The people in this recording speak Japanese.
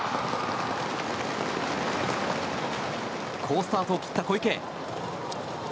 好スタートを切った小池。